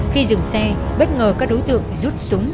khi dừng xe bất ngờ các đối tượng rút súng